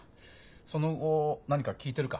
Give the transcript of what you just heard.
その後何か聞いてるか？